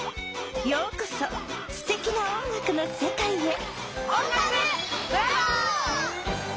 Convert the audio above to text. ようこそすてきな音楽のせかいへ！